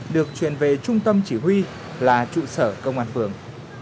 được truyền về trung tâm chỉ huy là trụ sở công an phường